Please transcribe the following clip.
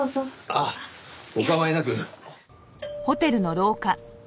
あっお構いなく。